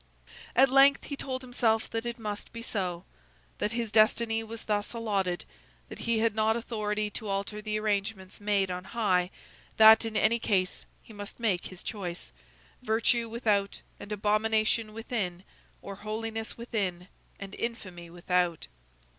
At length he told himself that it must be so, that his destiny was thus allotted, that he had not authority to alter the arrangements made on high, that, in any case, he must make his choice: virtue without and abomination within, or holiness within and infamy without.